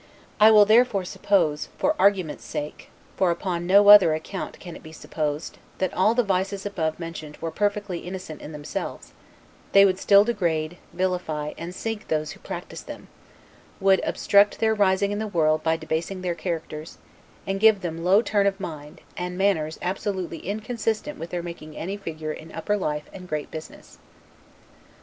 I will therefore suppose, for argument's sake (for upon no other account can it be supposed), that all the vices above mentioned were perfectly innocent in themselves: they would still degrade, vilify, and sink those who practiced them; would obstruct their rising in the world by debasing their characters; and give them low turn of mind, and manners absolutely inconsistent with their making any figure in upper life and great business.